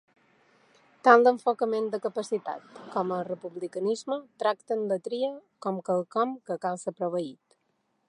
Tant l'enfocament de capacitat com el republicanisme tracten la tria com quelcom que cal ser proveït.